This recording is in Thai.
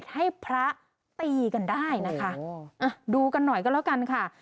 ให้พระตีกันได้นะคะดูกันหน่อยก็แล้วกันค่ะ